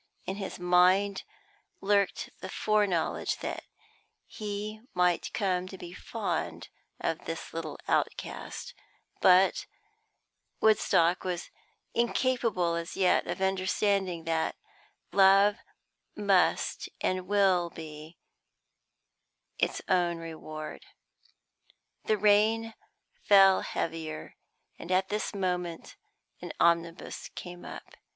In his mind lurked the foreknowledge that he might come to be fond of this little outcast, but Woodstock was incapable as yet of understanding that love must and will be its own reward. The rain fell heavier, and at this moment an omnibus came up.